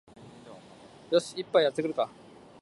よし、一杯やってくるか